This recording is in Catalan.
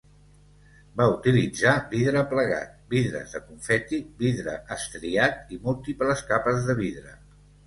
Va utilitzar vidre plegat, vidres de confeti, vidre estriat i múltiples capes de vidre.